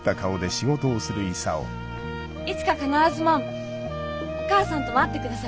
いつか必ずマムお母さんとも会ってくださいね。